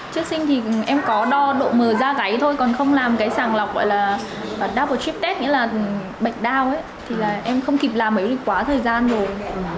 trước sinh thì em có đo độ mờ da gáy thôi còn không làm cái sàng lọc gọi là double trip test nghĩa là bệnh đau ấy thì là em không kịp làm ấy quá thời gian rồi